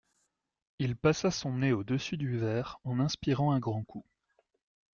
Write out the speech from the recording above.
Il passa son nez au-dessus du verre en inspirant un grand coup